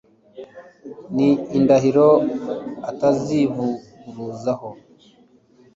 ni indahiro atazivuguruzaho